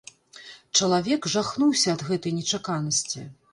Чалавек жахнуўся ад гэтай нечаканасці.